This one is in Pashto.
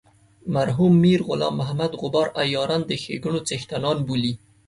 مرحوم میر غلام محمد غبار عیاران د ښیګڼو څښتنان بولي.